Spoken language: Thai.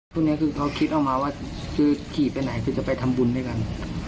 พวกนี้คือเขาคิดออกมาว่าคือขี่ไปไหนคือจะไปทำบุญด้วยกัน